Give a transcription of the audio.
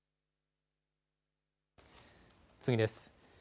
次です。